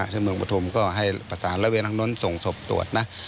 ที่เมืองปฐุมก็ให้ประสานระเวนทางนู้นส่งศพตรวจนะ